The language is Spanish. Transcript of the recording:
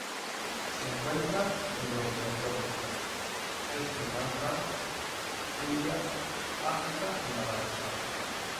Se encuentran en los Neotrópicos, Sri Lanka, India, África y Madagascar.